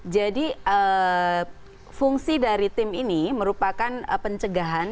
jadi fungsi dari tim ini merupakan pencegahan